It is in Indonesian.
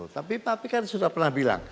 tapi tapi kan sudah pernah bilang